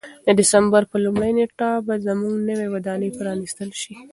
د دسمبر په لومړۍ نېټه به زموږ نوې ودانۍ پرانیستل شي.